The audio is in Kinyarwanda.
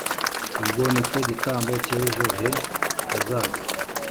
ubwo nitwe gitambo cyejo he hazaza"